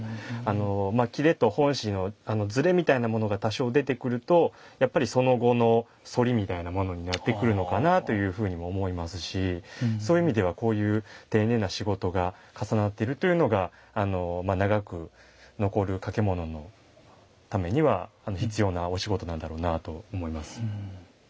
裂と本紙のズレみたいなものが多少出てくるとやっぱりその後の反りみたいなものになってくるのかなというふうにも思いますしそういう意味ではこういう丁寧な仕事が重なってるというのが長く残る掛物のためには必要なお仕事なんだろうなと思います。